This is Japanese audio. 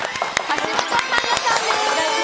橋本環奈さんです。